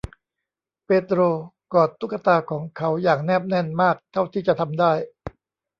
เปโดรกอดตุ๊กตาของเขาอย่างแนบแน่นมากเท่าที่จะทำได้